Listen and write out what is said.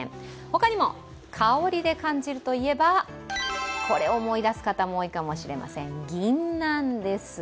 他にも香りで感じるといえばこれを思い出す方も多いかもしれませんぎんなんです。